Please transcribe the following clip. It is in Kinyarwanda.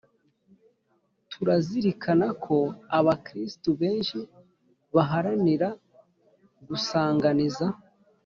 turazirikana ko abakristu benshi baharanira gusanganiza